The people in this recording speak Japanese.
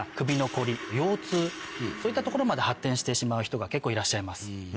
そういったところまで発展してしまう人が結構いらっしゃいます。